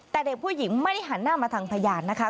แต่เด็กผู้หญิงไม่ได้หันหน้ามาทางพยานนะคะ